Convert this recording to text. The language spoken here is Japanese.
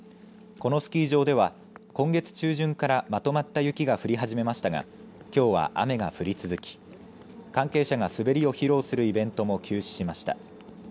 このスキー場では今月中旬からまとまった雪が降り始めましたがきょうは雨が降り続き関係者が滑りを披露するイベントも休止しました。